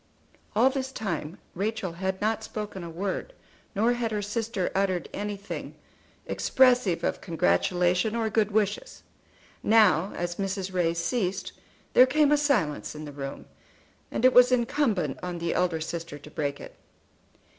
All this time Rachel had not spoken a word, nor had her sister uttered anything expressive of congratulation or good wishes. Now, as Mrs. Ray ceased, there came a silence in the room, and it was incumbent on the elder sister to break it.